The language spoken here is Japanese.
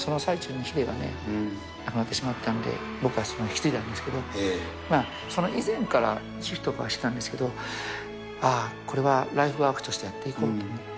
その最中にＨＩＤＥが亡くなってしまったので、僕が引き継いだんですけど、まあその以前からとかはしてたんですけれども、ああ、これはライフワークとしてやっていこうと思って。